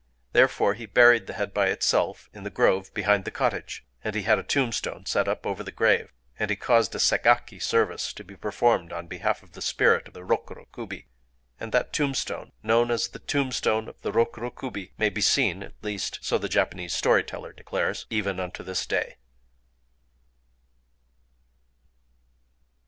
Therefore he buried the head by itself, in the grove behind the cottage; and he had a tombstone set up over the grave; and he caused a Ségaki service to be performed on behalf of the spirit of the Rokuro Kubi. And that tombstone—known as the Tombstone of the Rokuro Kubi—may be seen (at least so the Japanese story teller declares) even unto this day.